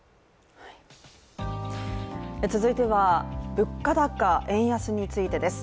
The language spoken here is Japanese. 続いては物価高、円安についてです。